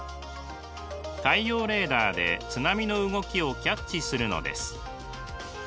海洋レーダーで津波の動きをキャッチするのです。